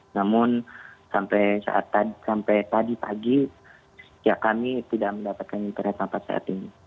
namun sampai tadi pagi ya kami tidak mendapatkan internet sampai saat ini